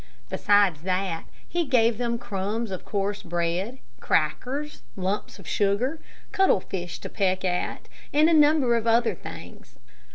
Besides that he gave them crumbs of coarse bread, crackers, lumps of sugar, cuttle fish to peck at, and a number of other things.